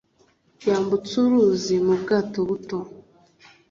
Yambutse uruzi mu bwato buto.